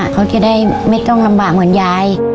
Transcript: เขาจะได้ไม่ต้องลำบากเหมือนยาย